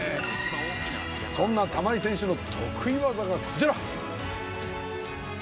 そんな玉井選手の得意技がこちら！